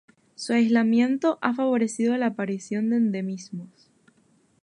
Su aislamiento ha favorecido la aparición de endemismos.